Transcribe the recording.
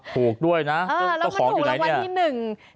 ถูกด้วยนะเจ้าของอยู่ไหนเนี่ย